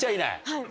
はい。